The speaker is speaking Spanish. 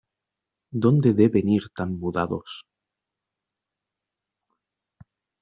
Dónde deben ir tan mudados.